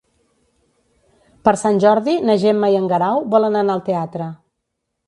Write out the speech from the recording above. Per Sant Jordi na Gemma i en Guerau volen anar al teatre.